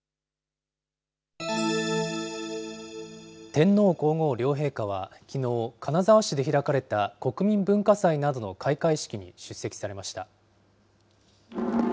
天皇皇后両陛下はきのう、金沢市で開かれた国民文化祭などの開会式に出席されました。